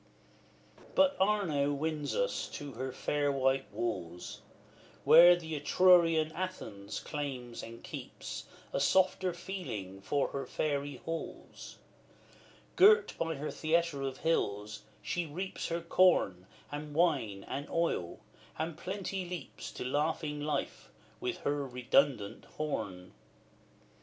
But Arno wins us to the fair white walls, Where the Etrurian Athens claims and keeps A softer feeling for her fairy halls. Girt by her theatre of hills, she reaps Her corn, and wine, and oil, and Plenty leaps To laughing life, with her redundant horn.